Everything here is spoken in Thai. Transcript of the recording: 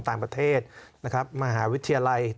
ทำไมรัฐต้องเอาเงินภาษีประชาชน